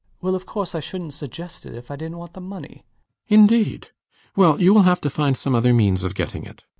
LOUIS. Well, of course I shouldnt suggest it if I didnt want the money. RIDGEON. Indeed! Well, you will have to find some other means of getting it.